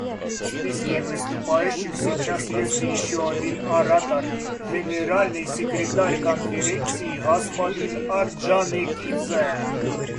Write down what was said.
В списке выступающих сейчас есть еще один оратор — Генеральный секретарь Конференции господин Орджоникидзе.